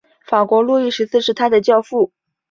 法国路易十四是他的教父。